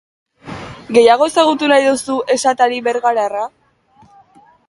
Gehiago ezagutu nahi duzu esatari bergararra?